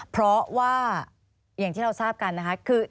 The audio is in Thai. เพราะว่าอย่างที่เราทราบกันนะคะ